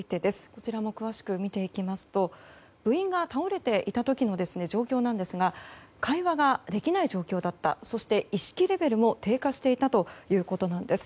こちらも詳しく見ていきますと部員が倒れていた時の状況なんですが会話ができない状況だったそして意識レベルも低下していたということなんです。